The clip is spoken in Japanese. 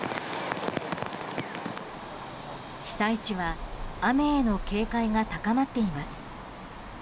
被災地は雨への警戒が高まっています。